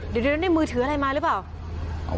เดี๋ยวนั้นได้มือถืออะไรมาหรือเปล่า